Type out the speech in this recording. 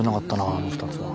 あの２つは。